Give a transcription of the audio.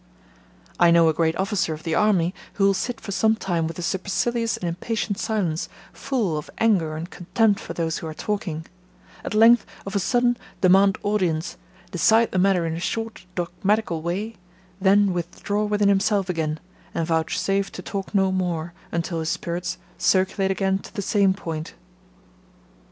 I know a great officer of the army, who will sit for some time with a supercilious and impatient silence, full of anger and contempt for those who are talking; at length of a sudden demand audience, decide the matter in a short dogmatical way; then withdraw within himself again, and vouchsafe to talk no more, until his spirits circulate again to the same point.